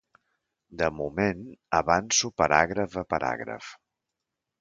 De moment, avanço paràgraf a paràgraf.